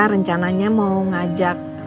rencananya mau ngajak